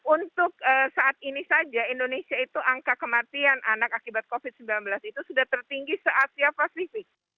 untuk saat ini saja indonesia itu angka kematian anak akibat covid sembilan belas itu sudah tertinggi se asia pasifik